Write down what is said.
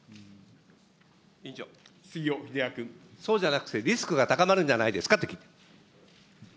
そうじゃなくて、リスクが高まるんじゃないですかって聞いてる。